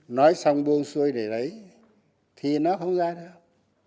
nói xong buông xuôi để lấy thì nó không ra đâu